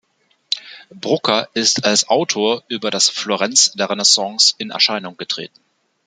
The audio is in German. Brucker ist als Autor über das Florenz der Renaissance in Erscheinung getreten.